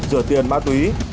giữa tiền ma túy